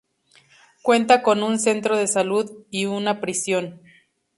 Cuenta con un centro de salud y una prisión.